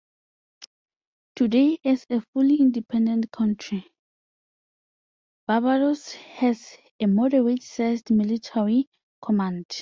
Today as a fully independent country, Barbados has a moderate sized military command.